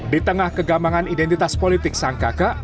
di tengah kegambangan identitas politik sang kakak